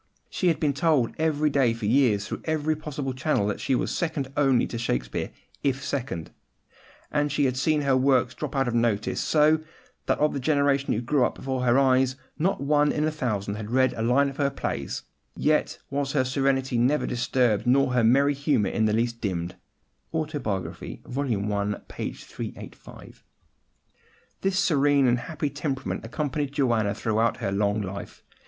She had been told every day for years, through every possible channel, that she was second only to Shakespeare, if second; and then she had seen her works drop out of notice, so that, of the generation who grew up before her eyes, not one in a thousand had read a line of her plays; yet was her serenity never disturbed, nor her merry humour in the least dimmed" (Autobiography, vol. i. p. 385). This serene and happy temperament accompanied Joanna throughout her long life.